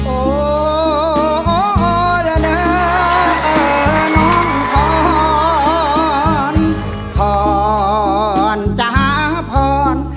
โอ้โอโอ้โหน้องพรพรจ้าพร